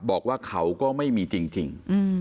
บอกว่าเขาก็ไม่มีจริง